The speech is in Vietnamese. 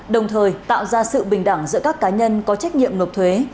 đồng thời tạo ra sự bình đẳng giữa các cá nhân có trách nhiệm nộp thuế